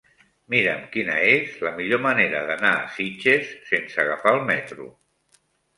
Mira'm quina és la millor manera d'anar a Sitges sense agafar el metro.